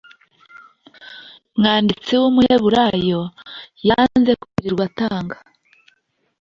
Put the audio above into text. mwanditsi w Umuheburayo yanze kwirirwa atanga